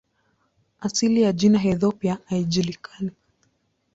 Asili ya jina "Ethiopia" haijulikani.